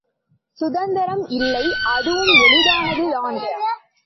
சுந்தரம் இல்லை, அதுவும் எளிதானது தான்.